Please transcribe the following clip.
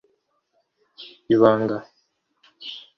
Ibanga